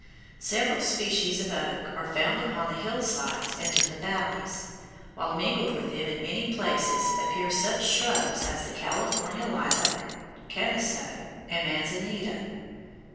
Several species of oak are found upon the hillsides and in the valleys, while mingled with them in many places appear such shrubs as the California lilac, chamiso, and manzanita.